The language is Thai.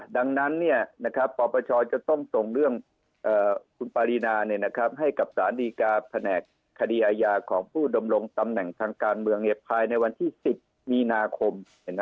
ดังนั้นปปชจะต้องส่งเรื่องคุณปารีนาให้กับสารดีกาแผนกคดีอาญาของผู้ดำรงตำแหน่งทางการเมืองภายในวันที่๑๐มีนาคม